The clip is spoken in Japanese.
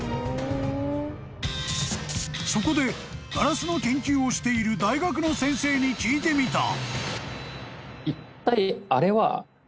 ［そこでガラスの研究をしている大学の先生に聞いてみた］